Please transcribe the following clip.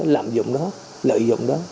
làm dụng đó lợi dụng đó